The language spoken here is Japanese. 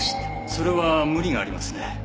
それは無理がありますね。